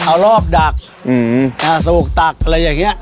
เอารอบดักอืมอ่าสวกตักอะไรอย่างเงี้ย